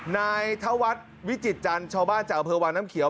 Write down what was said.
ท้าวัทวิจิตรจันทร์ชาวบ้านจากอเผลอวางน้ำเขียว